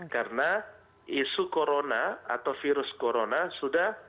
karena isu corona atau virus corona sudah